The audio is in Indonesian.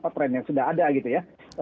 trend yang sudah ada gitu ya